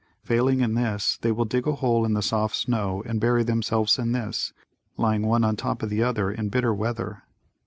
Failing in this, they will dig a hole in the soft snow and bury themselves in this, lying one on top of the other in bitter weather.